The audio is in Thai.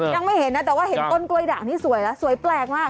ยังไม่เห็นนะแต่ว่าเห็นต้นกล้วยด่างนี่สวยแล้วสวยแปลกมาก